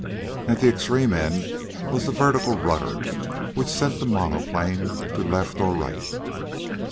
At the extreme end was the vertical rudder, which sent the monoplane to left or right.